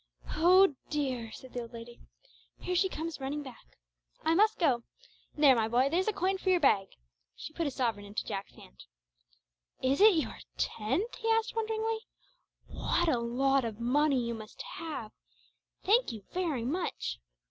"Oh, dear!" said the old lady, "here she comes running back! I must go. There, my boy, there's a coin for your bag!" She put a sovereign into Jack's hand. "Is it your tenth?" he asked wonderingly; "what a lot of money you must have! Thank you very much!"